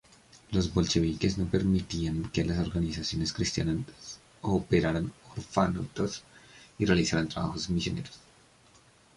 Los bolcheviques no permitían que las organizaciones cristianas operaran orfanatos y realizarán trabajos misioneros.